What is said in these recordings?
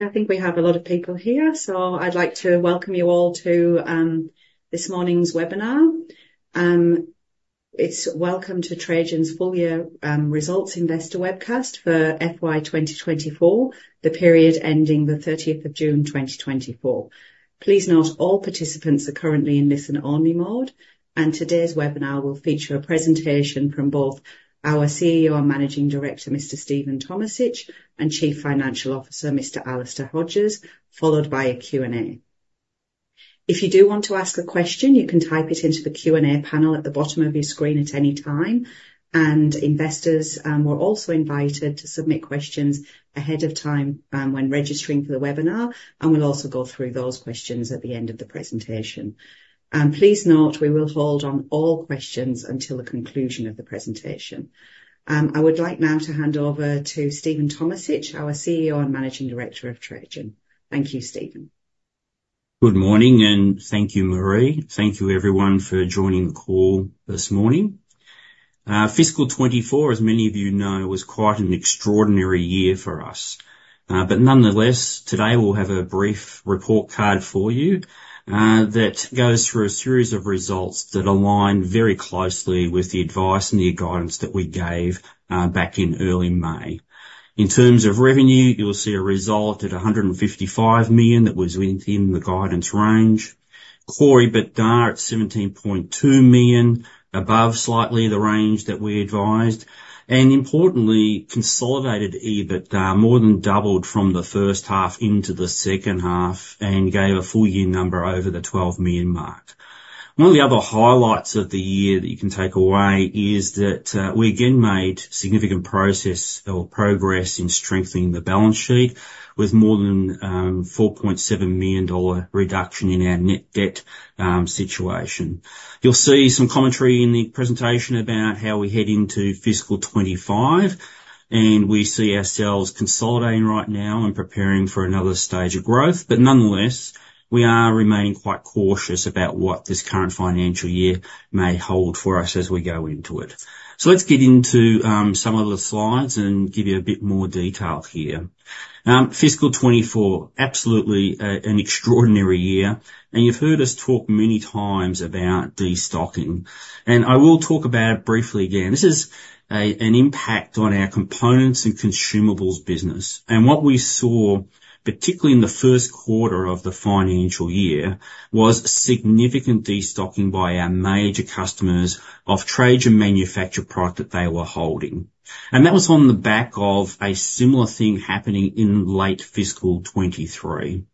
I think we have a lot of people here, so I'd like to welcome you all to this morning's webinar. It's welcome to Trajan's Full Year Results Investor Webcast for FY 2024, the period ending the 30th of June, 2024. Please note, all participants are currently in listen only mode, and today's webinar will feature a presentation from both our CEO and Managing Director, Mr. Stephen Tomisich, and Chief Financial Officer, Mr. Alister Hodges, followed by a Q&A. If you do want to ask a question, you can type it into the Q&A panel at the bottom of your screen at any time, and Investors were also invited to submit questions ahead of time when registering for the webinar, and we'll also go through those questions at the end of the presentation. Please note, we will hold on all questions until the conclusion of the presentation. I would like now to hand over to Stephen Tomisich, our CEO and Managing Director of Trajan. Thank you, Stephen. Good morning and thank you, Mari. Thank you everyone for joining the call this morning. Fiscal 2024, as many of you know, was quite an extraordinary year for us. But nonetheless, today we'll have a brief report card for you, that goes through a series of results that align very closely with the advice and the guidance that we gave, back in early May. In terms of revenue, you'll see a result at 155 million that was within the guidance range. Underlying EBITDA at 17.2 million, above slightly the range that we advised, and importantly, consolidated EBITDA more than doubled from the first half into the second half and gave a full year number over the 12 million mark. One of the other highlights of the year that you can take away is that we again made significant progress in strengthening the balance sheet with more than 4.7 million dollar reduction in our net debt situation. You'll see some commentary in the presentation about how we head into fiscal 2025, and we see ourselves consolidating right now and preparing for another stage of growth. But nonetheless, we are remaining quite cautious about what this current financial year may hold for us as we go into it. So let's get into some of the slides and give you a bit more detail here. Fiscal 2024, absolutely, an extraordinary year, and you've heard us talk many times about destocking, and I will talk about it briefly again. This is an impact on our components and consumables business. What we saw, particularly in the first quarter of the financial year, was significant destocking by our major customers of Trajan manufactured product that they were holding. That was on the back of a similar thing happening in late fiscal 2023.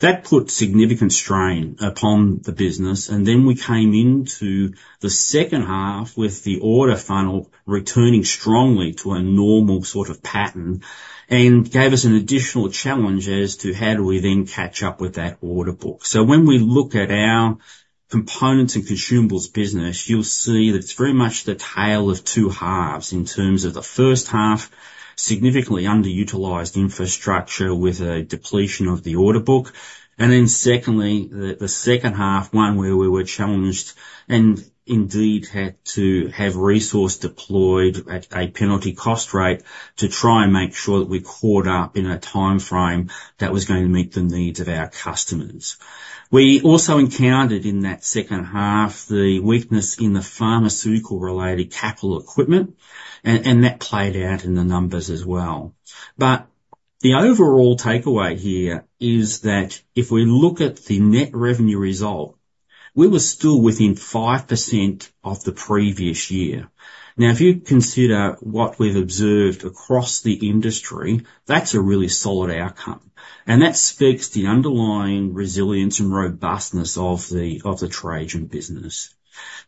That put significant strain upon the business, and then we came into the second half with the order funnel returning strongly to a normal sort of pattern and gave us an additional challenge as to how do we then catch up with that order book. So when we look at our components and consumables business, you'll see that it's very much the tale of two halves in terms of the first half, significantly underutilized infrastructure with a depletion of the order book, and then secondly, the second half, one where we were challenged and indeed had to have resource deployed at a penalty cost rate to try and make sure that we caught up in a timeframe that was going to meet the needs of our customers. We also encountered in that second half, the weakness in the pharmaceutical-related capital equipment, and that played out in the numbers as well. But the overall takeaway here is that if we look at the net revenue result, we were still within 5% of the previous year. Now, if you consider what we've observed across the industry, that's a really solid outcome, and that speaks to the underlying resilience and robustness of the Trajan business.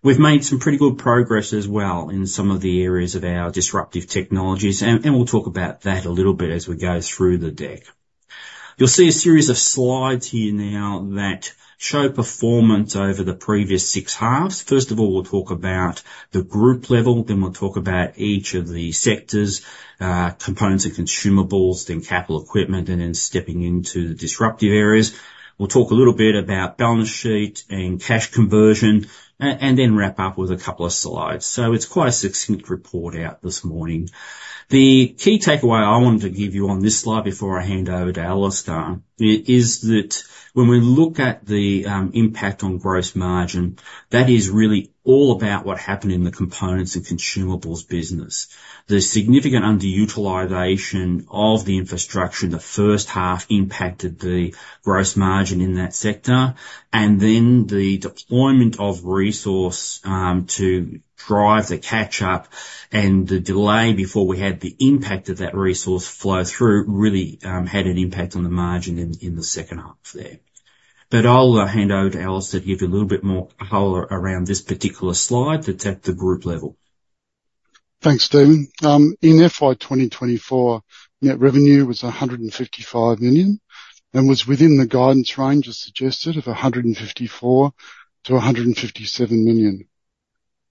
We've made some pretty good progress as well in some of the areas of our disruptive technologies, and we'll talk about that a little bit as we go through the deck. You'll see a series of slides here now that show performance over the previous six halves. First of all, we'll talk about the group level, then we'll talk about each of the sectors, components and consumables, then capital equipment, and then stepping into the disruptive areas. We'll talk a little bit about balance sheet and cash conversion, and then wrap up with a couple of slides. So it's quite a succinct report out this morning. The key takeaway I wanted to give you on this slide before I hand over to Alister, is that when we look at the impact on gross margin, that is really all about what happened in the components and consumables business. The significant underutilization of the infrastructure in the first half impacted the gross margin in that sector, and then the deployment of resource to drive the catch up and the delay before we had the impact of that resource flow through really had an impact on the margin in the second half there. But I'll hand over to Alister to give you a little bit more color around this particular slide that's at the group level. Thanks, Stephen. In FY 2024, net revenue was 155 million and was within the guidance range as suggested of 154 million-157 million.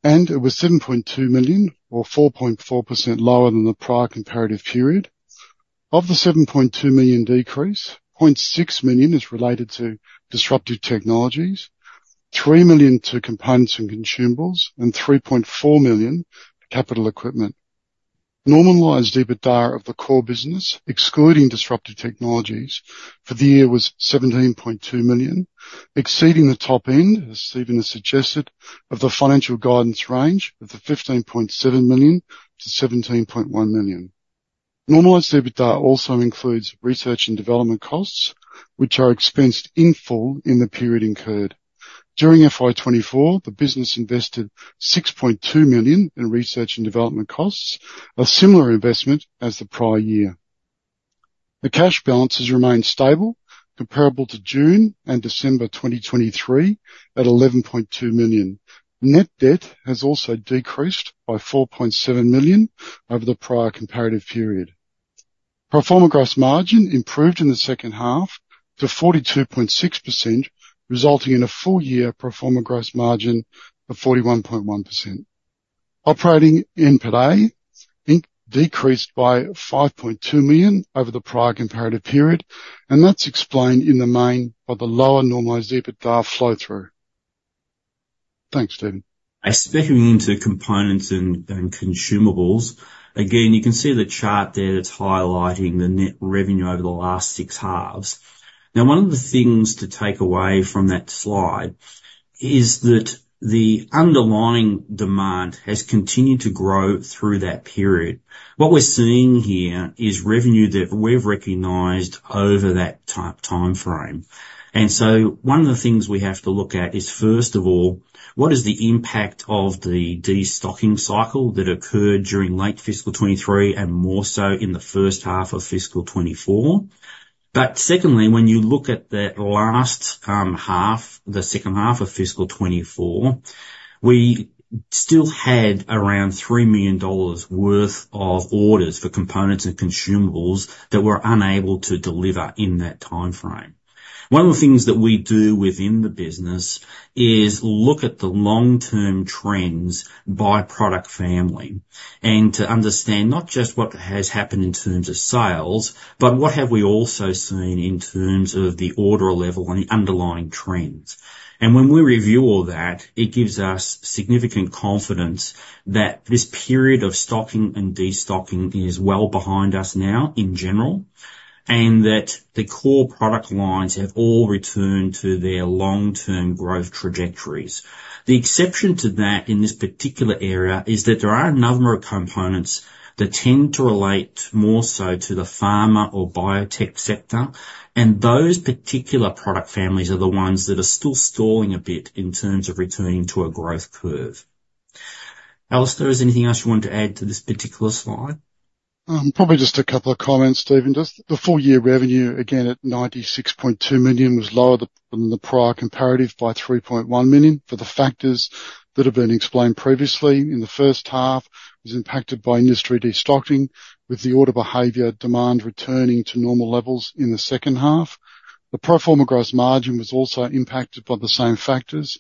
It was 7.2 million, or 4.4% lower than the prior comparative period. Of the 7.2 million decrease, 0.6 million is related to disruptive technologies, 3 million to components and consumables, and 3.4 million, capital equipment. ... Normalized EBITDA of the core business, excluding disruptive technologies, for the year was 17.2 million, exceeding the top end, as Stephen has suggested, of the financial guidance range of the 15.7 million-17.1 million. Normalized EBITDA also includes research and development costs, which are expensed in full in the period incurred. During FY 2024, the business invested 6.2 million in research and development costs, a similar investment as the prior year. The cash balances remained stable, comparable to June and December 2023, at 11.2 million. Net debt has also decreased by 4.7 million over the prior comparative period. Pro forma gross margin improved in the second half to 42.6%, resulting in a full year pro forma gross margin of 41.1%. Operating NPATA. Decreased by 5.2 million over the prior comparative period, and that's explained in the main by the lower normalized EBITDA flow through. Thanks, Stephen. I step into components and consumables. Again, you can see the chart there that's highlighting the net revenue over the last six halves. Now, one of the things to take away from that slide is that the underlying demand has continued to grow through that period. What we're seeing here is revenue that we've recognized over that time, timeframe. And so one of the things we have to look at is, first of all, what is the impact of the destocking cycle that occurred during late fiscal 2023 and more so in the first half of fiscal 2024? But secondly, when you look at the last half, the second half of fiscal 2024, we still had around 3 million dollars worth of orders for components and consumables that we're unable to deliver in that timeframe. One of the things that we do within the business is look at the long-term trends by product family, and to understand not just what has happened in terms of sales, but what have we also seen in terms of the order level and the underlying trends, and when we review all that, it gives us significant confidence that this period of stocking and destocking is well behind us now in general, and that the core product lines have all returned to their long-term growth trajectories. The exception to that in this particular area is that there are a number of components that tend to relate more so to the pharma or biotech sector, and those particular product families are the ones that are still stalling a bit in terms of returning to a growth curve. Alister, is there anything else you want to add to this particular slide? Probably just a couple of comments, Stephen. Just the full year revenue, again, at 96.2 million, was lower than the prior comparative by 3.1 million for the factors that have been explained previously. In the first half, it was impacted by industry destocking, with the order behavior demand returning to normal levels in the second half. The pro forma gross margin was also impacted by the same factors.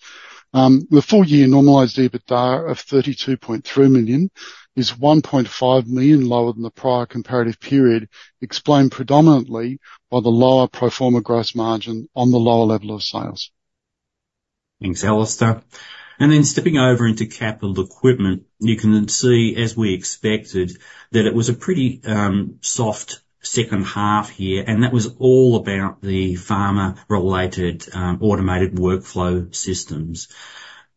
The full year normalized EBITDA of 32.3 million is 1.5 million lower than the prior comparative period, explained predominantly by the lower pro forma gross margin on the lower level of sales. Thanks, Alister. And then stepping over into capital equipment, you can then see, as we expected, that it was a pretty soft second half here, and that was all about the pharma-related automated workflow systems.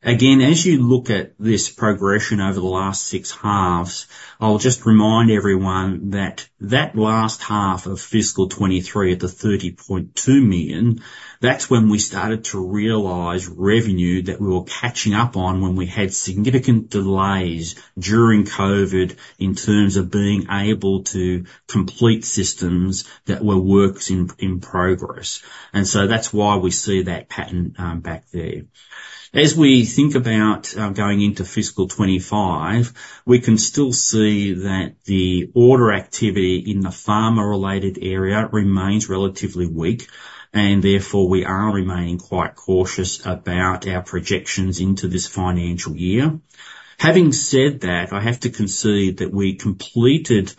Again, as you look at this progression over the last six halves, I'll just remind everyone that that last half of fiscal 2023, at the 30.2 million, that's when we started to realize revenue that we were catching up on when we had significant delays during COVID in terms of being able to complete systems that were works in progress. And so that's why we see that pattern back there. As we think about going into fiscal 2025, we can still see that the order activity in the pharma-related area remains relatively weak, and therefore we are remaining quite cautious about our projections into this financial year. Having said that, I have to concede that we completed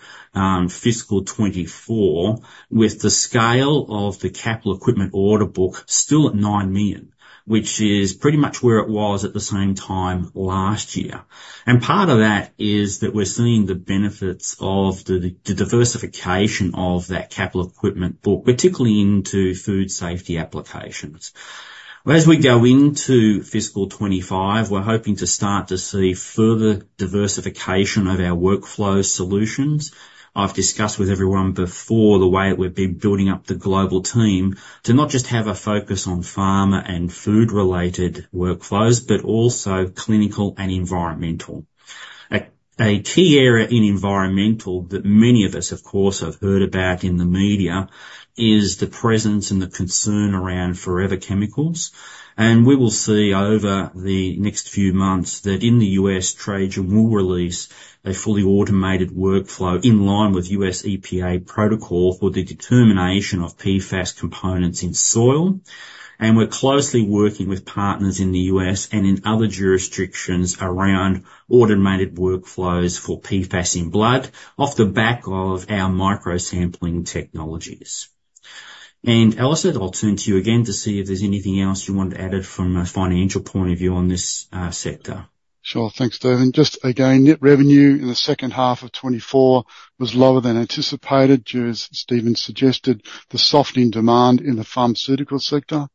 fiscal 2024 with the scale of the capital equipment order book still at 9 million, which is pretty much where it was at the same time last year. And part of that is that we're seeing the benefits of the diversification of that capital equipment book, particularly into food safety applications. As we go into fiscal 2025, we're hoping to start to see further diversification of our workflow solutions. I've discussed with everyone before the way we've been building up the global team to not just have a focus on pharma and food-related workflows, but also clinical and environmental. A key area in environmental that many of us, of course, have heard about in the media is the presence and the concern around forever chemicals. We will see over the next few months that in the U.S., Trajan will release a fully automated workflow in line with U.S. EPA protocol for the determination of PFAS components in soil. We're closely working with partners in the U.S. and in other jurisdictions around automated workflows for PFAS in blood, off the back of our microsampling technologies. Alister, I'll turn to you again to see if there's anything else you want to add from a financial point of view on this sector. Sure. Thanks, Stephen. Just again, net revenue in the second half of 2024 was lower than anticipated, due to, as Stephen suggested, the softening demand in the pharmaceutical sector.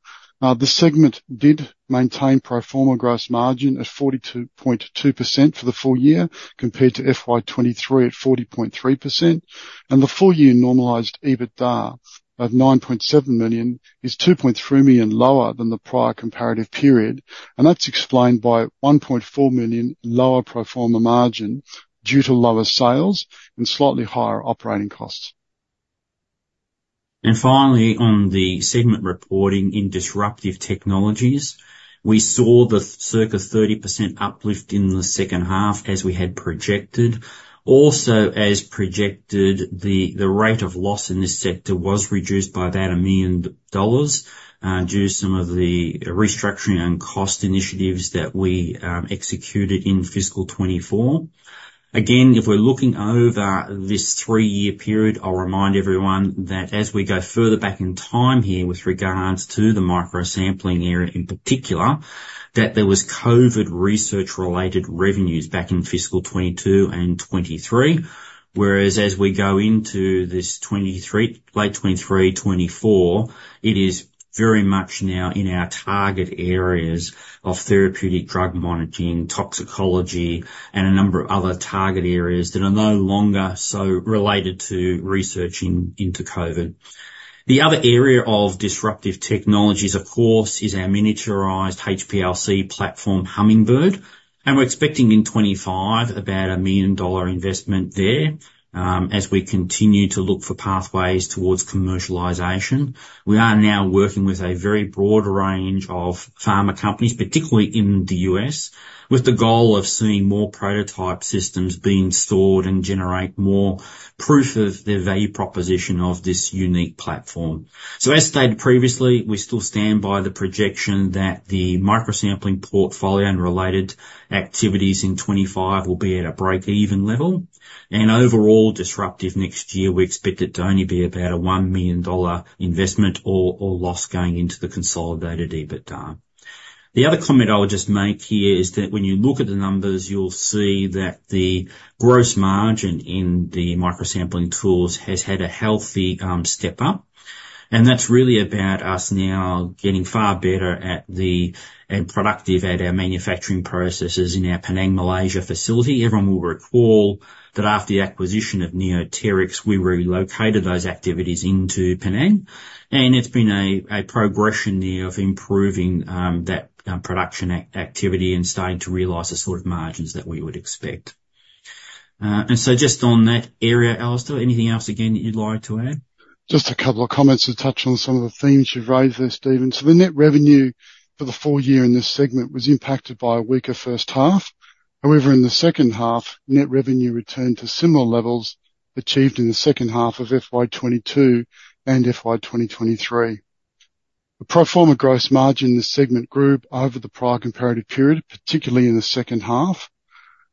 The segment did maintain pro forma gross margin at 42.2% for the full year, compared to FY 2023 at 40.3%, and the full year normalized EBITDA of 9.7 million is 2.3 million lower than the prior comparative period, and that's explained by 1.4 million lower pro forma margin due to lower sales and slightly higher operating costs. Finally, on the segment reporting in disruptive technologies, we saw the circa 30% uplift in the second half, as we had projected. Also, as projected, the rate of loss in this sector was reduced by about 1 million dollars due to some of the restructuring and cost initiatives that we executed in fiscal 2024. Again, if we're looking over this three-year period, I'll remind everyone that as we go further back in time here with regards to the microsampling area in particular, that there was COVID research-related revenues back in fiscal 2022 and 2023. Whereas as we go into this 2023, late 2023/2024, it is very much now in our target areas of therapeutic drug monitoring, toxicology, and a number of other target areas that are no longer so related to researching into COVID. The other area of disruptive technologies, of course, is our miniaturized HPLC platform, Hummingbird, and we're expecting in 2025 about an 1 million dollar investment there, as we continue to look for pathways towards commercialization. We are now working with a very broad range of pharma companies, particularly in the U.S., with the goal of seeing more prototype systems being built and generate more proof of the value proposition of this unique platform. So as stated previously, we still stand by the projection that the microsampling portfolio and related activities in 2025 will be at a break-even level, and overall disruptive next year, we expect it to only be about an 1 million dollar investment or loss going into the consolidated EBITDA. The other comment I would just make here is that when you look at the numbers, you'll see that the gross margin in the microsampling tools has had a healthy step up, and that's really about us now getting far better at, and productive at our manufacturing processes in our Penang, Malaysia facility. Everyone will recall that after the acquisition of Neoteryx, we relocated those activities into Penang, and it's been a progression there of improving that production activity and starting to realize the sort of margins that we would expect. And so just on that area, Alister, anything else again that you'd like to add? Just a couple of comments to touch on some of the themes you've raised there, Stephen. So the net revenue for the full year in this segment was impacted by a weaker first half. However, in the second half, net revenue returned to similar levels achieved in the second half of FY 2022 and FY 2023. The pro forma gross margin in the segment group over the prior comparative period, particularly in the second half,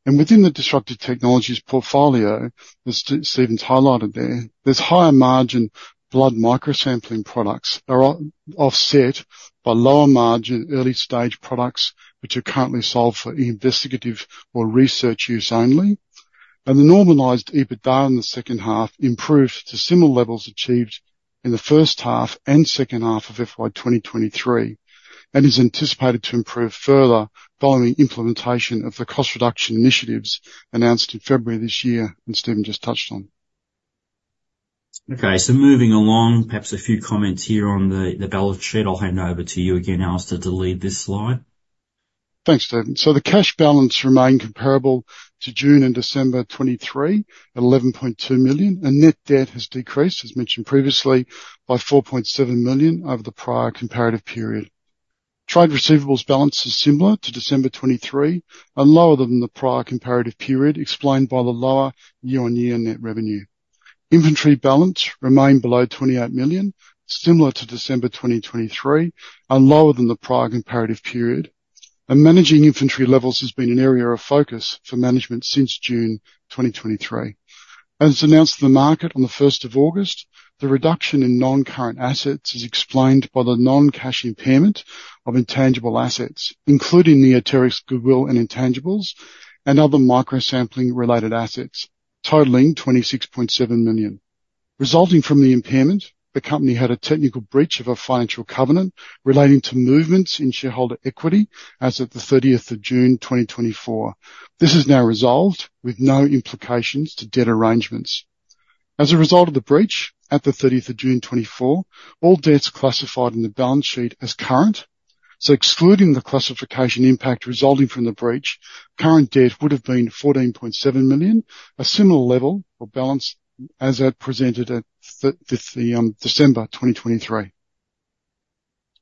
and within the disruptive technologies portfolio, as Stephen's highlighted there, there's higher margin blood microsampling products are offset by lower margin early stage products, which are currently sold for investigative or research use only. The normalized EBITDA in the second half improved to similar levels achieved in the first half and second half of FY 2023, and is anticipated to improve further following implementation of the cost reduction initiatives announced in February this year, and Stephen just touched on. Okay, so moving along, perhaps a few comments here on the balance sheet. I'll hand over to you again, Alister, to lead this slide. Thanks, Stephen. So the cash balance remained comparable to June and December 2023, at 11.2 million, and net debt has decreased, as mentioned previously, by 4.7 million over the prior comparative period. Trade receivables balance is similar to December 2023 and lower than the prior comparative period, explained by the lower year-on-year net revenue. Inventory balance remained below 28 million, similar to December 2023, and lower than the prior comparative period, and managing inventory levels has been an area of focus for management since June 2023. As announced to the market on the first of August, the reduction in non-current assets is explained by the non-cash impairment of intangible assets, including Neoteryx goodwill and intangibles, and other microsampling-related assets, totaling 26.7 million. Resulting from the impairment, the company had a technical breach of a financial covenant relating to movements in shareholder equity as of the 30th of June 2024. This is now resolved with no implications to debt arrangements. As a result of the breach, at the 30th of June 2024, all debts are classified in the balance sheet as current, so excluding the classification impact resulting from the breach, current debt would have been 14.7 million, a similar level or balance as at presented at the December 2023....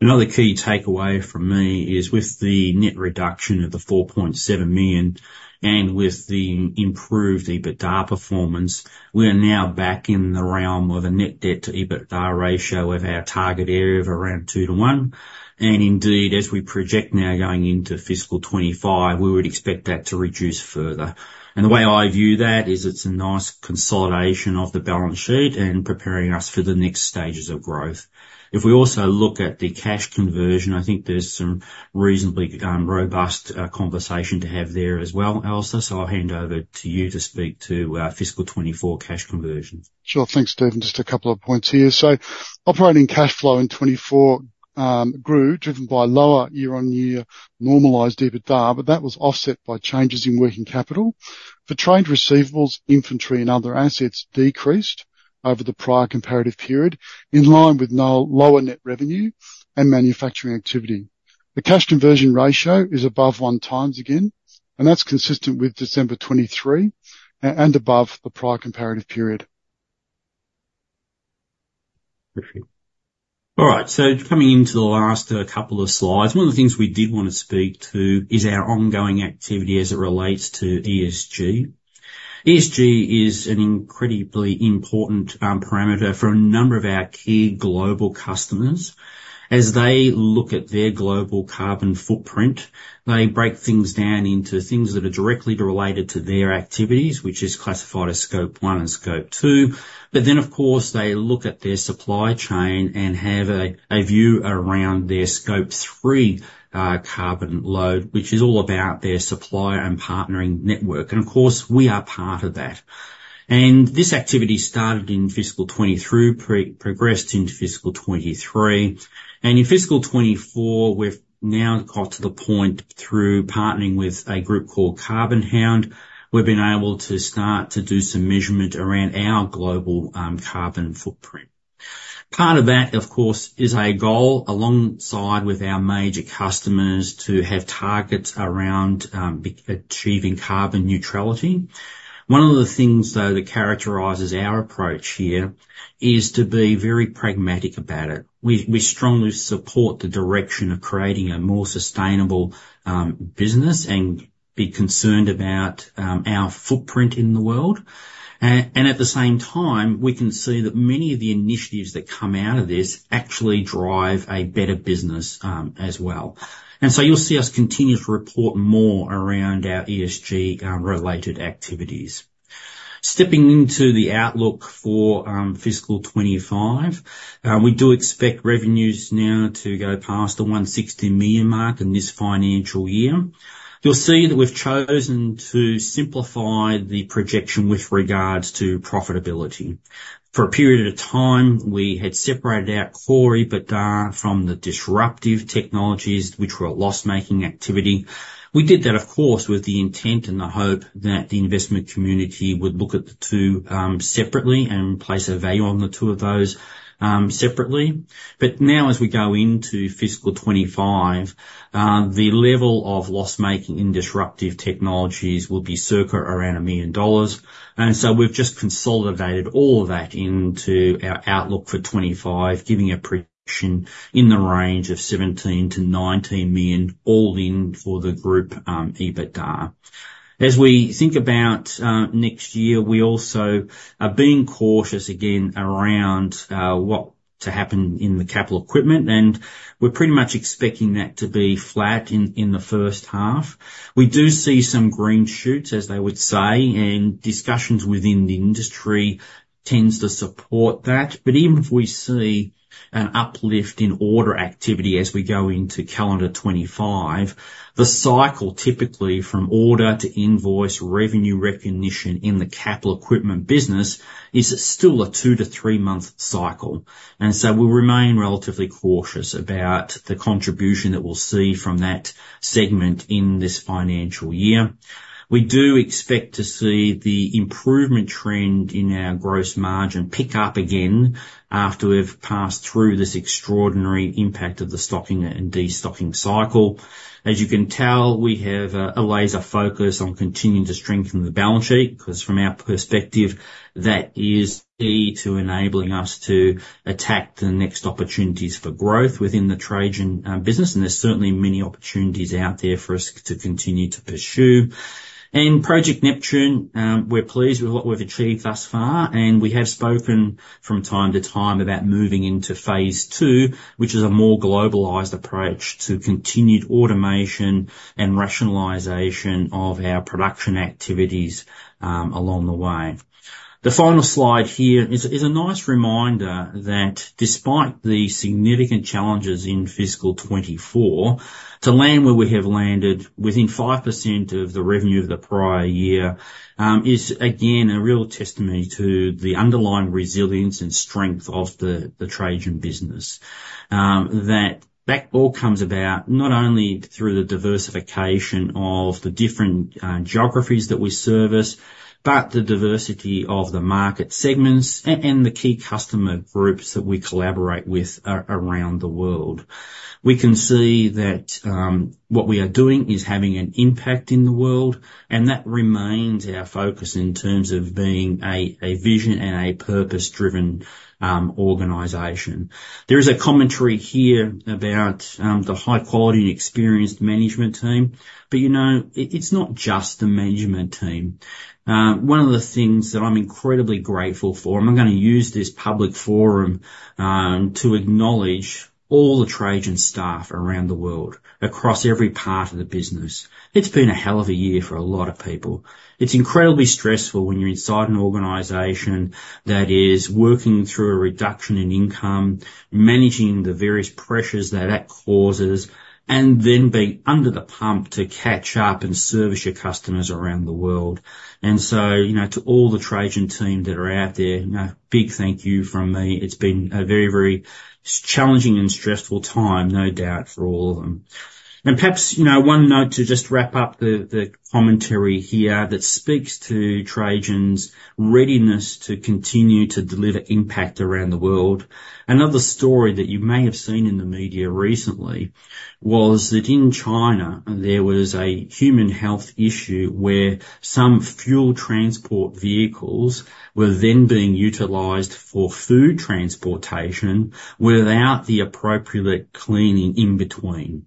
Another key takeaway from me is with the net reduction of 4.7 million, and with the improved EBITDA performance, we are now back in the realm of a net debt to EBITDA ratio of our target area of around two to one. And indeed, as we project now going into fiscal 2025, we would expect that to reduce further. And the way I view that is it's a nice consolidation of the balance sheet and preparing us for the next stages of growth. If we also look at the cash conversion, I think there's some reasonably robust conversation to have there as well, Alister. So I'll hand over to you to speak to our fiscal 2024 cash conversion. Sure. Thanks, Stephen. Just a couple of points here. So operating cash flow in 2024 grew, driven by lower year-on-year normalized EBITDA, but that was offset by changes in working capital. For trade receivables, inventory and other assets decreased over the prior comparative period, in line with lower net revenue and manufacturing activity. The cash conversion ratio is above one times again, and that's consistent with December 2023, and above the prior comparative period. Perfect. All right, so coming into the last couple of slides, one of the things we did want to speak to is our ongoing activity as it relates to ESG. ESG is an incredibly important parameter for a number of our key global customers. As they look at their global carbon footprint, they break things down into things that are directly related to their activities, which is classified as Scope One and Scope Two. But then, of course, they look at their supply chain and have a view around their Scope Three carbon load, which is all about their supplier and partnering network. And of course, we are part of that. This activity started in fiscal 2022, progressed into fiscal 2023, and in fiscal 2024, we've now got to the point through partnering with a group called CarbonHound. We've been able to start to do some measurement around our global carbon footprint. Part of that, of course, is a goal alongside with our major customers to have targets around achieving carbon neutrality. One of the things, though, that characterizes our approach here is to be very pragmatic about it. We strongly support the direction of creating a more sustainable business and be concerned about our footprint in the world. At the same time, we can see that many of the initiatives that come out of this actually drive a better business as well. So you'll see us continue to report more around our ESG related activities. Stepping into the outlook for fiscal 2025, we do expect revenues now to go past the 160 million mark in this financial year. You'll see that we've chosen to simplify the projection with regards to profitability. For a period of time, we had separated out core EBITDA from the disruptive technologies, which were a loss-making activity. We did that, of course, with the intent and the hope that the investment community would look at the two separately and place a value on the two of those separately. But now, as we go into fiscal 2025, the level of loss-making in disruptive technologies will be circa around 1 million dollars, and so we've just consolidated all of that into our outlook for 2025, giving a prediction in the range of 17 million-19 million, all-in for the group EBITDA. As we think about next year, we also are being cautious again around what to happen in the capital equipment, and we're pretty much expecting that to be flat in the first half. We do see some green shoots, as they would say, and discussions within the industry tends to support that. But even if we see an uplift in order activity as we go into calendar 2025, the cycle, typically from order to invoice, revenue recognition in the capital equipment business, is still a two-to-three-month cycle. We'll remain relatively cautious about the contribution that we'll see from that segment in this financial year. We do expect to see the improvement trend in our gross margin pick up again after we've passed through this extraordinary impact of the stocking and destocking cycle. As you can tell, we have a laser focus on continuing to strengthen the balance sheet, 'cause from our perspective, that is key to enabling us to attack the next opportunities for growth within the Trajan business, and there's certainly many opportunities out there for us to continue to pursue. Project Neptune, we're pleased with what we've achieved thus far, and we have spoken from time to time about moving into phase two, which is a more globalized approach to continued automation and rationalization of our production activities along the way. The final slide here is a nice reminder that despite the significant challenges in fiscal 2024, to land where we have landed, within 5% of the revenue of the prior year, is again, a real testimony to the underlying resilience and strength of the Trajan business. That all comes about not only through the diversification of the different geographies that we service, but the diversity of the market segments and the key customer groups that we collaborate with around the world. We can see that what we are doing is having an impact in the world, and that remains our focus in terms of being a vision and a purpose-driven organization. There is a commentary here about the high-quality and experienced management team, but, you know, it's not just the management team. One of the things that I'm incredibly grateful for, and I'm gonna use this public forum to acknowledge all the Trajan staff around the world, across every part of the business. It's been a hell of a year for a lot of people. It's incredibly stressful when you're inside an organization that is working through a reduction in income, managing the various pressures that that causes, and then being under the pump to catch up and service your customers around the world. And so, you know, to all the Trajan team that are out there, you know, a big thank you from me. It's been a very, very challenging and stressful time, no doubt, for all of them. And perhaps, you know, one note to just wrap up the commentary here that speaks to Trajan's readiness to continue to deliver impact around the world. Another story that you may have seen in the media recently was that in China, there was a human health issue where some fuel transport vehicles were then being utilized for food transportation without the appropriate cleaning in between.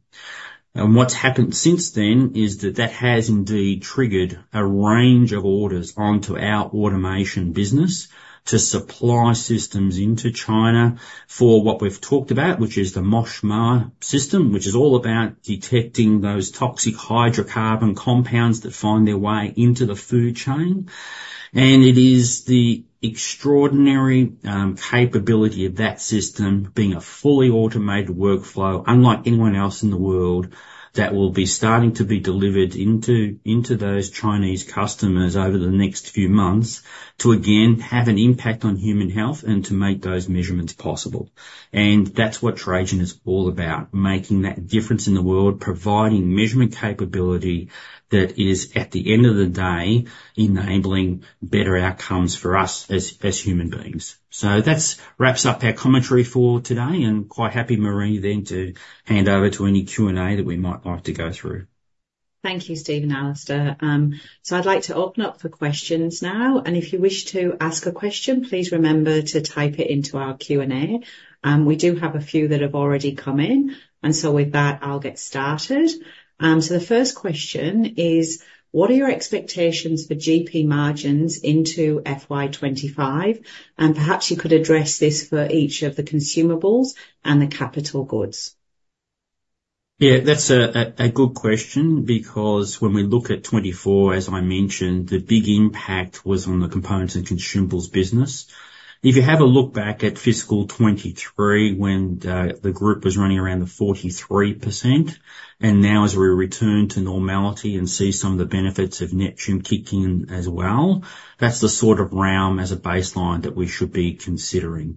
What's happened since then is that that has indeed triggered a range of orders onto our automation business to supply systems into China for what we've talked about, which is the MOSH/MOAH system, which is all about detecting those toxic hydrocarbon compounds that find their way into the food chain. It is the extraordinary capability of that system being a fully automated workflow, unlike anyone else in the world, that will be starting to be delivered into those Chinese customers over the next few months to again have an impact on human health and to make those measurements possible. That's what Trajan is all about, making that difference in the world, providing measurement capability that is, at the end of the day, enabling better outcomes for us as human beings. That wraps up our commentary for today, and quite happy, Mari, then to hand over to any Q&A that we might like to go through. Thank you, Stephen and Alister, so I'd like to open up for questions now, and if you wish to ask a question, please remember to type it into our Q&A. We do have a few that have already come in, and so with that, I'll get started, so the first question is: What are your expectations for GP margins into FY 2025? And perhaps you could address this for each of the consumables and the capital goods. Yeah, that's a good question because when we look at 2024, as I mentioned, the big impact was on the components and consumables business. If you have a look back at fiscal 2023, when the group was running around the 43%, and now as we return to normality and see some of the benefits of Neptune kicking in as well, that's the sort of realm as a baseline that we should be considering.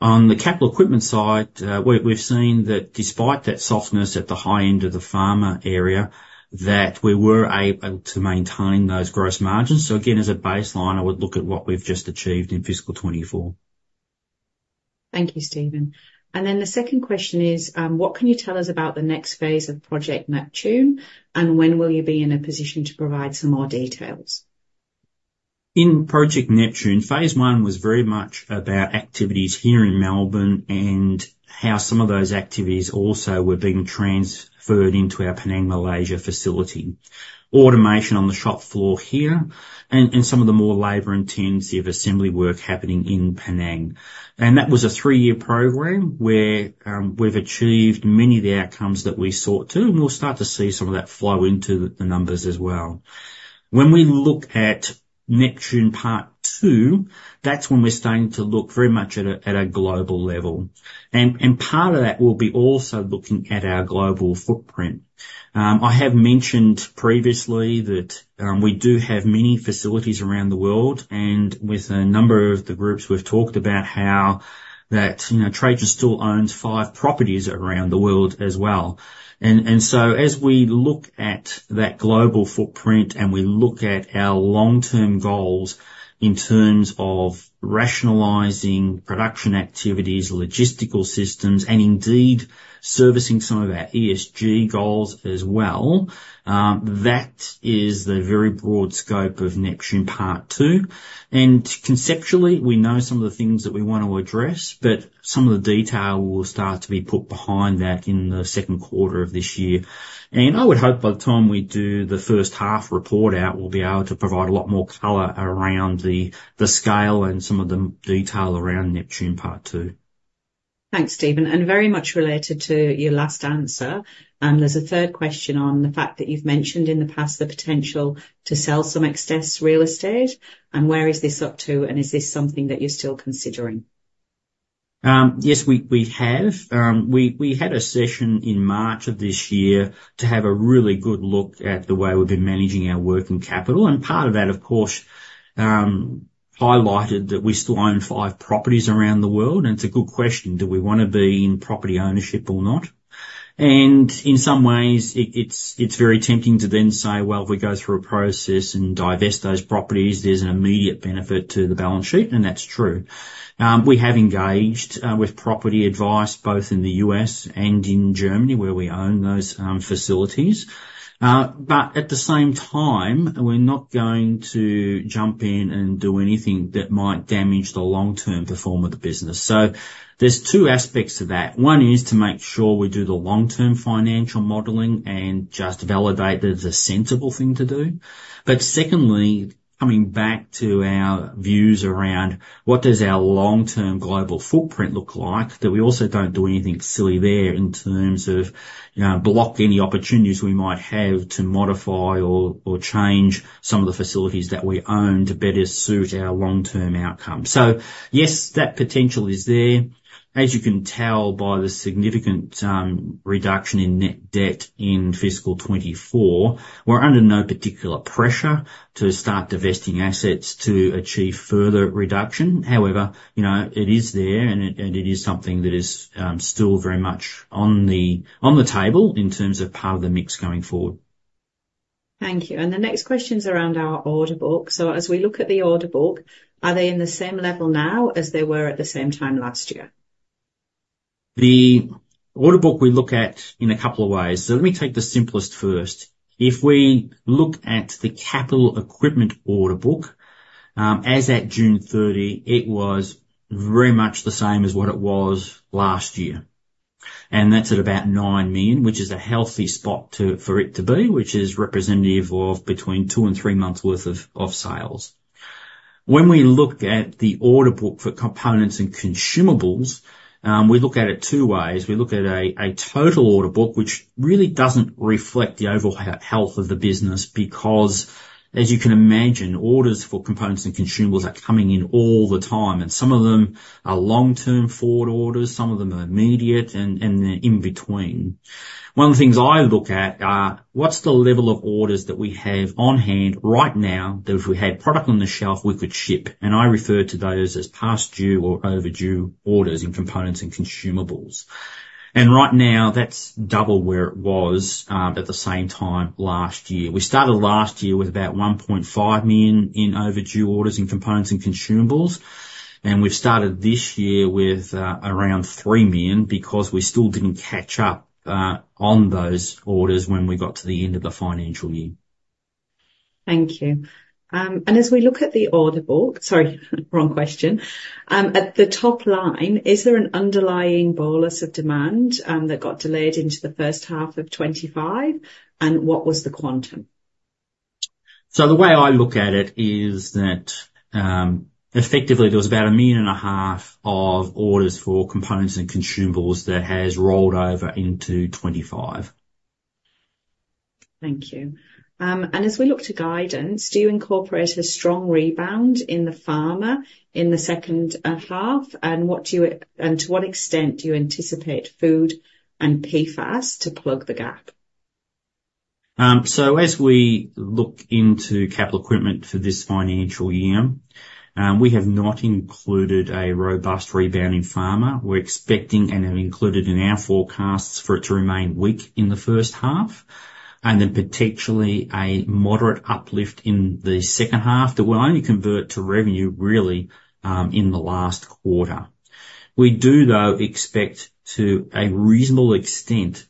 On the capital equipment side, we've seen that despite that softness at the high end of the pharma area, that we were able to maintain those gross margins. So again, as a baseline, I would look at what we've just achieved in fiscal 2024. Thank you, Stephen. And then the second question is: What can you tell us about the next phase of Project Neptune, and when will you be in a position to provide some more details? In Project Neptune, phase one was very much about activities here in Melbourne and how some of those activities also were being transferred into our Penang, Malaysia facility. Automation on the shop floor here, and some of the more labor-intensive assembly work happening in Penang. That was a three-year program where we've achieved many of the outcomes that we sought to, and we'll start to see some of that flow into the numbers as well. When we look at Neptune Part Two, that's when we're starting to look very much at a global level. Part of that will be also looking at our global footprint. I have mentioned previously that we do have many facilities around the world, and with a number of the groups, we've talked about how that you know Trajan still owns five properties around the world as well, and so as we look at that global footprint, and we look at our long-term goals in terms of rationalizing production activities, logistical systems, and indeed servicing some of our ESG goals as well. That is the very broad scope of Neptune Part Two, and conceptually we know some of the things that we want to address, but some of the detail will start to be put behind that in the second quarter of this year. I would hope by the time we do the first half report out, we'll be able to provide a lot more color around the scale and some of the detail around Neptune Part Two. Thanks, Stephen. And very much related to your last answer, there's a third question on the fact that you've mentioned in the past the potential to sell some excess real estate, and where is this up to, and is this something that you're still considering? Yes, we have. We had a session in March of this year to have a really good look at the way we've been managing our working capital, and part of that, of course, highlighted that we still own five properties around the world, and it's a good question: Do we wanna be in property ownership or not? And in some ways, it is very tempting to then say, "Well, if we go through a process and divest those properties, there's an immediate benefit to the balance sheet," and that's true. We have engaged with property advice both in the U.S. and in Germany, where we own those facilities. But at the same time, we're not going to jump in and do anything that might damage the long-term performance of the business. So there's two aspects to that. One is to make sure we do the long-term financial modeling and just validate that it's a sensible thing to do. But secondly, coming back to our views around what does our long-term global footprint look like, that we also don't do anything silly there in terms of, you know, block any opportunities we might have to modify or change some of the facilities that we own to better suit our long-term outcome. So yes, that potential is there. As you can tell by the significant reduction in net debt in fiscal 2024, we're under no particular pressure to start divesting assets to achieve further reduction. However, you know, it is there, and it is something that is still very much on the table in terms of part of the mix going forward. Thank you. And the next question's around our order book. So as we look at the order book, are they in the same level now as they were at the same time last year? The order book we look at in a couple of ways. So let me take the simplest first. If we look at the capital equipment order book, as at June 30, it was very much the same as what it was last year. And that's at about 9 million, which is a healthy spot to, for it to be, which is representative of between two and three months' worth of sales. When we look at the order book for components and consumables, we look at it two ways. We look at a total order book, which really doesn't reflect the overall health of the business because, as you can imagine, orders for components and consumables are coming in all the time, and some of them are long-term forward orders, some of them are immediate, and they're in between. One of the things I look at are, what's the level of orders that we have on hand right now, that if we had product on the shelf, we could ship? And I refer to those as past due or overdue orders in components and consumables. And right now, that's double where it was at the same time last year. We started last year with about 1.5 million in overdue orders in components and consumables, and we've started this year with around 3 million because we still didn't catch up on those orders when we got to the end of the financial year. Thank you. And as we look at the order book... Sorry, wrong question. At the top line, is there an underlying bolus of demand that got delayed into the first half of 2025? And what was the quantum? So the way I look at it is that, effectively, there was about 1.5 million of orders for components and consumables that has rolled over into 2025. Thank you. And as we look to guidance, do you incorporate a strong rebound in the pharma in the second half? And to what extent do you anticipate food and PFAS to plug the gap? So as we look into capital equipment for this financial year, we have not included a robust rebound in pharma. We're expecting, and have included in our forecasts, for it to remain weak in the first half, and then potentially a moderate uplift in the second half that will only convert to revenue really in the last quarter. We do, though, expect to a reasonable extent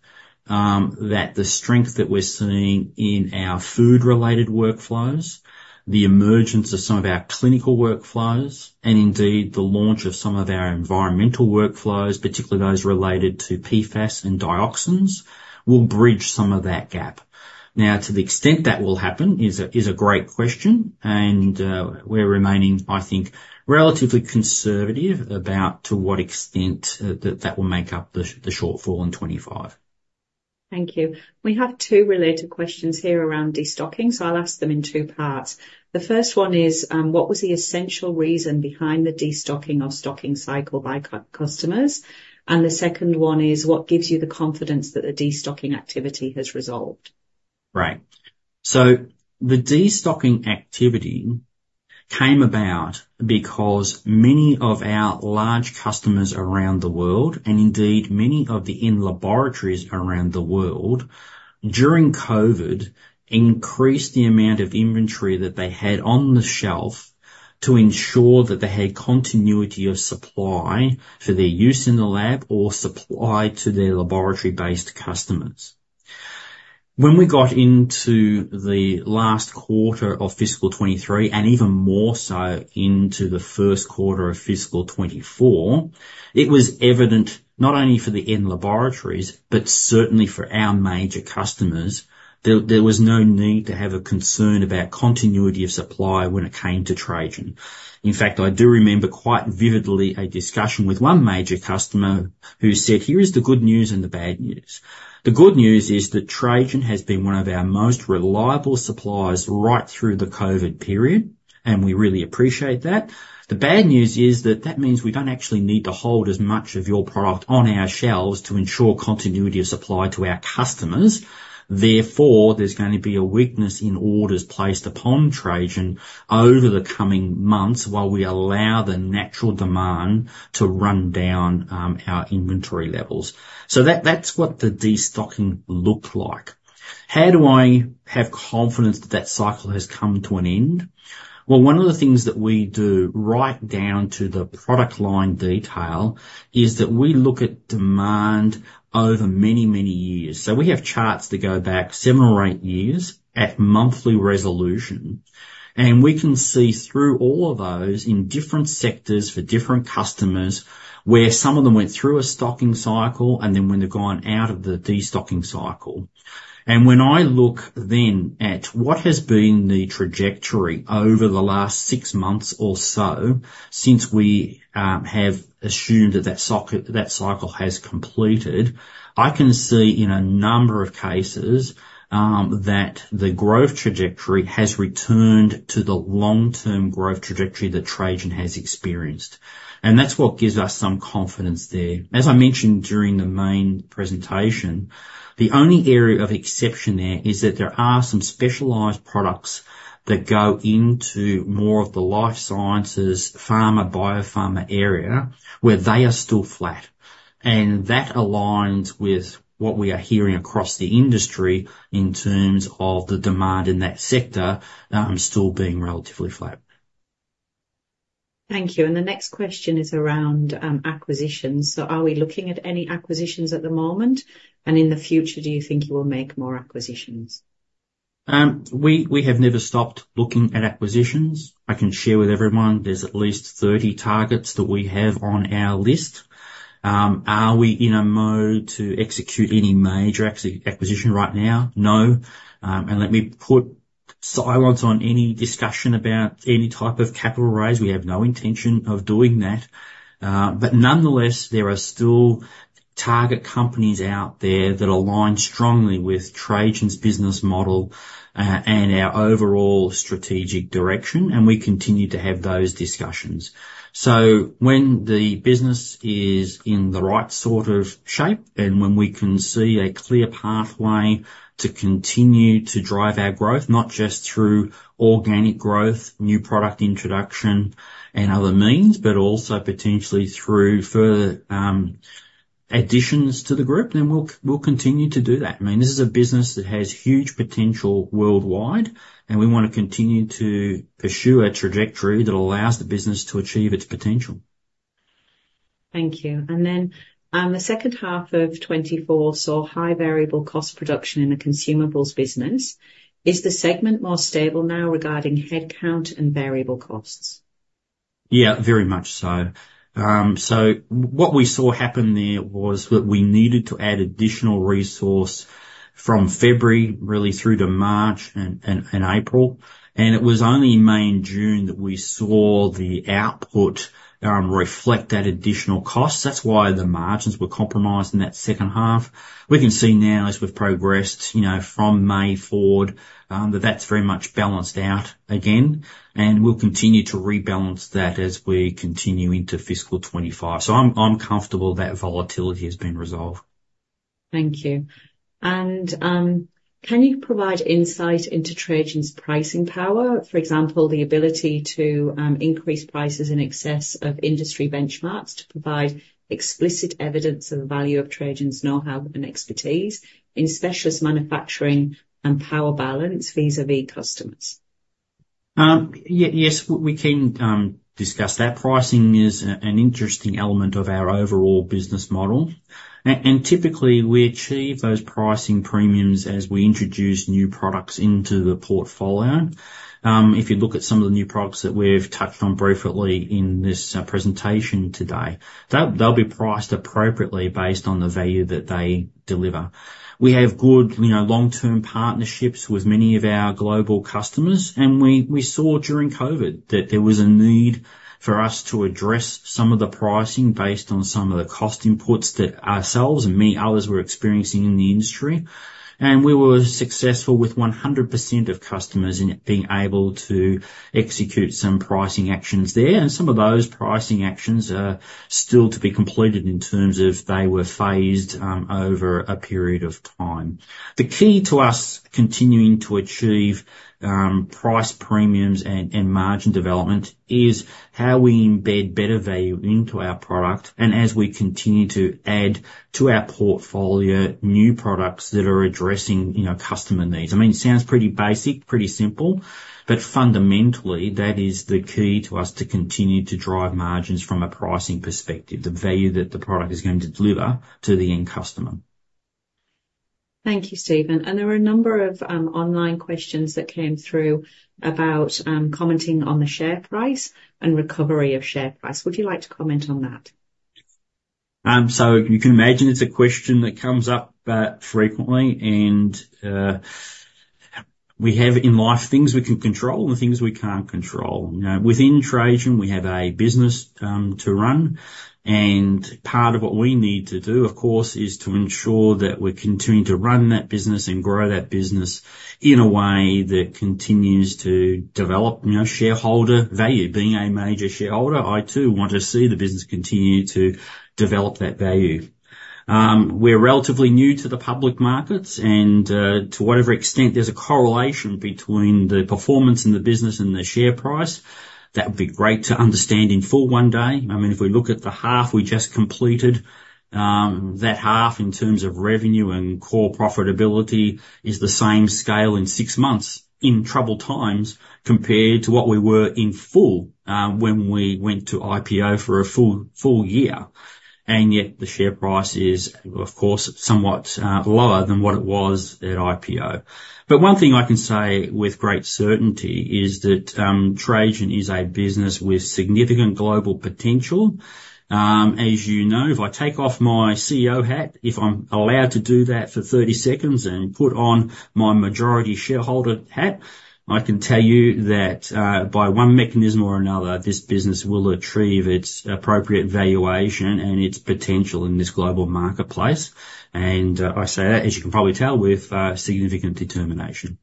that the strength that we're seeing in our food-related workflows, the emergence of some of our clinical workflows, and indeed, the launch of some of our environmental workflows, particularly those related to PFAS and dioxins, will bridge some of that gap. Now, to the extent that will happen is a great question, and we're remaining, I think, relatively conservative about to what extent that will make up the shortfall in 2025. Thank you. We have two related questions here around destocking, so I'll ask them in two parts. The first one is: What was the essential reason behind the destocking or stocking cycle by customers? And the second one is: What gives you the confidence that the destocking activity has resolved? Right. So the destocking activity came about because many of our large customers around the world, and indeed many of the end laboratories around the world, during COVID, increased the amount of inventory that they had on the shelf to ensure that they had continuity of supply for their use in the lab or supply to their laboratory-based customers. When we got into the last quarter of fiscal 2023, and even more so into the first quarter of fiscal 2024, it was evident, not only for the end laboratories, but certainly for our major customers, that there was no need to have a concern about continuity of supply when it came to Trajan. In fact, I do remember quite vividly a discussion with one major customer who said, "Here is the good news and the bad news. The good news is that Trajan has been one of our most reliable suppliers right through the COVID period, and we really appreciate that. The bad news is that that means we don't actually need to hold as much of your product on our shelves to ensure continuity of supply to our customers. Therefore, there's gonna be a weakness in orders placed upon Trajan over the coming months while we allow the natural demand to run down our inventory levels." So that, that's what the destocking looked like. How do I have confidence that that cycle has come to an end? Well, one of the things that we do, right down to the product line detail, is that we look at demand over many, many years. So we have charts that go back seven or eight years at monthly resolution, and we can see through all of those in different sectors for different customers, where some of them went through a stocking cycle and then when they've gone out of the destocking cycle. And when I look then at what has been the trajectory over the last six months or so, since we have assumed that that cycle has completed, I can see in a number of cases that the growth trajectory has returned to the long-term growth trajectory that Trajan has experienced. And that's what gives us some confidence there. As I mentioned during the main presentation, the only area of exception there is that there are some specialized products that go into more of the life sciences, pharma, biopharma area, where they are still flat. And that aligns with what we are hearing across the industry in terms of the demand in that sector, still being relatively flat. Thank you. And the next question is around acquisitions. So are we looking at any acquisitions at the moment? And in the future, do you think you will make more acquisitions?... We have never stopped looking at acquisitions. I can share with everyone there's at least 30 targets that we have on our list. Are we in a mode to execute any major acquisition right now? No, and let me put silence on any discussion about any type of capital raise. We have no intention of doing that. But nonetheless, there are still target companies out there that align strongly with Trajan's business model, and our overall strategic direction, and we continue to have those discussions, so when the business is in the right sort of shape, and when we can see a clear pathway to continue to drive our growth, not just through organic growth, new product introduction and other means, but also potentially through further additions to the group, then we'll continue to do that. I mean, this is a business that has huge potential worldwide, and we want to continue to pursue a trajectory that allows the business to achieve its potential. Thank you. And then, the second half of 2024 saw high variable cost production in the consumables business. Is the segment more stable now regarding headcount and variable costs? Yeah, very much so. So what we saw happen there was that we needed to add additional resource from February, really through to March and April, and it was only in May and June that we saw the output reflect that additional cost. That's why the margins were compromised in that second half. We can see now as we've progressed, you know, from May forward, that that's very much balanced out again, and we'll continue to rebalance that as we continue into fiscal 2025. So I'm comfortable that volatility has been resolved. Thank you. And, can you provide insight into Trajan's pricing power? For example, the ability to, increase prices in excess of industry benchmarks to provide explicit evidence of the value of Trajan's knowhow and expertise in specialist manufacturing and power balance vis-a-vis customers. Yes, we can discuss that. Pricing is an interesting element of our overall business model. And typically, we achieve those pricing premiums as we introduce new products into the portfolio. If you look at some of the new products that we've touched on briefly in this presentation today, they'll be priced appropriately based on the value that they deliver. We have good, you know, long-term partnerships with many of our global customers, and we saw during COVID that there was a need for us to address some of the pricing based on some of the cost inputs that ourselves and many others were experiencing in the industry. We were successful with 100% of customers in being able to execute some pricing actions there, and some of those pricing actions are still to be completed in terms of they were phased over a period of time. The key to us continuing to achieve price premiums and, and margin development is how we embed better value into our product and as we continue to add to our portfolio new products that are addressing, you know, customer needs. I mean, it sounds pretty basic, pretty simple, but fundamentally, that is the key to us to continue to drive margins from a pricing perspective, the value that the product is going to deliver to the end customer. Thank you, Stephen. And there are a number of online questions that came through about commenting on the share price and recovery of share price. Would you like to comment on that? So you can imagine it's a question that comes up frequently, and we have in life things we can control and things we can't control. You know, within Trajan, we have a business to run, and part of what we need to do, of course, is to ensure that we're continuing to run that business and grow that business in a way that continues to develop, you know, shareholder value. Being a major shareholder, I, too, want to see the business continue to develop that value. We're relatively new to the public markets, and to whatever extent there's a correlation between the performance and the business and the share price, that would be great to understand in full one day. I mean, if we look at the half we just completed, that half in terms of revenue and core profitability is the same scale in six months in troubled times compared to what we were in full, when we went to IPO for a full, full year. And yet the share price is, of course, somewhat, lower than what it was at IPO. But one thing I can say with great certainty is that, Trajan is a business with significant global potential. As you know, if I take off my CEO hat, if I'm allowed to do that for 30 seconds and put on my majority shareholder hat, I can tell you that, by one mechanism or another, this business will achieve its appropriate valuation and its potential in this global marketplace. I say that, as you can probably tell, with significant determination.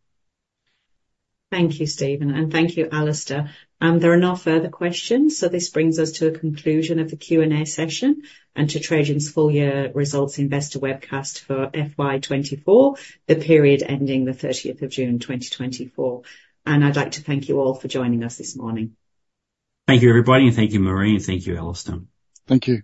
Thank you, Stephen, and thank you, Alister. There are no further questions, so this brings us to a conclusion of the Q&A session and to Trajan's Full Year Results Investor Webcast for FY 2024, the period ending the 30th of June, 2024. And I'd like to thank you all for joining us this morning. Thank you, everybody, and thank you, Mari, and thank you, Alister. Thank you.